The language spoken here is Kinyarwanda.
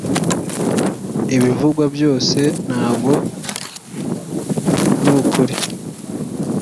ibivugwa byose ntago arukuri.